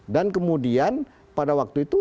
dan kemudian pada waktu itu